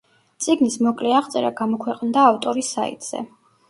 წიგნის მოკლე აღწერა გამოქვეყნდა ავტორის საიტზე.